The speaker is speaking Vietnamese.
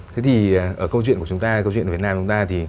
thế thì ở câu chuyện của chúng ta câu chuyện việt nam của chúng ta